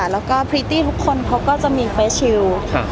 แล้วก็พริตตี้ทุกคนเขาก็จะมีเฟสชิล